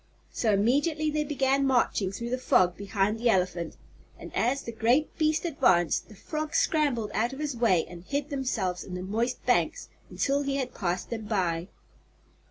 So immediately they began marching through the fog behind the elephant, and as the great beast advanced the frogs scrambled out of his way and hid themselves in the moist banks until he had passed them by.